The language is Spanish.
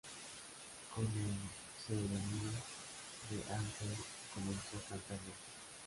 Con el seudónimo de Ann Key comenzó a cantar jazz.